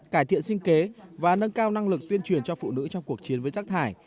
cải thiện sinh kế và nâng cao năng lực tuyên truyền cho phụ nữ trong cuộc chiến với rác thải